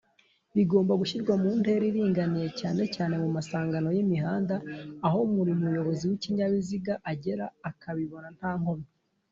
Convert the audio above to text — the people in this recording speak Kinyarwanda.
bigomba gushyirwa mu ntera iringaniye cyane mu masangano y’Imihanda aho buri muyobozi w’ikinyabiziga agera akabibona nta nkomyi.